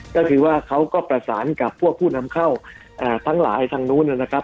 ก็คือว่าเขาก็ประสานกับพวกผู้นำเข้าทั้งหลายทางนู้นนะครับ